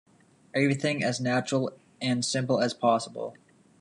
Everything as natural and simple as possible.